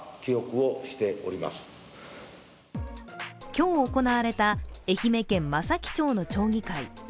今日行われた愛媛県松前町の町議会。